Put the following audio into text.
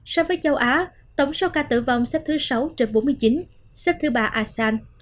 so với châu á tổng số ca tử vong xếp thứ sáu trên bốn mươi chín xếp thứ ba asean